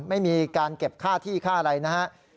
ไม่มีการเก็บค่าที่ค่าอะไรนะครับ